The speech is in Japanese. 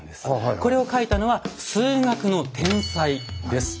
これを書いたのは数学の天才です。